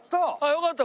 よかった。